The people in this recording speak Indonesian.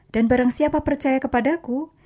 dan barang siapa percaya kepadaku